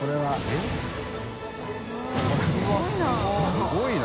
すごいな。